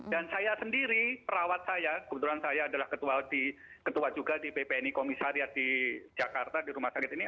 saya sendiri perawat saya kebetulan saya adalah ketua juga di bpni komisariat di jakarta di rumah sakit ini